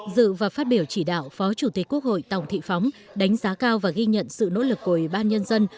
dự và phát biểu chỉ đạo phó chủ tịch quốc hội tổng thị phóng đánh giá cao và ghi nhận sự nỗ lực của ủy ban nhân dân